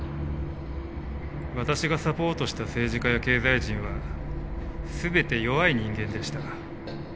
私がサポートした政治家や経済人は全て弱い人間でした。